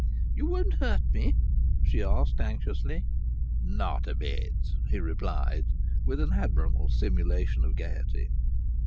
"You won't hurt me?" she asked anxiously. "Not a bit," he replied, with an admirable simulation of gaiety.